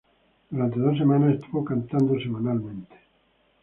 Durante dos semanas estuvo cantando semanalmente.